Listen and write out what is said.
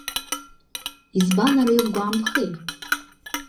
Избан, ара илгәамԥхеи?